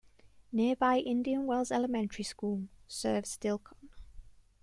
Nearby Indian Wells Elementary School serves Dilkon.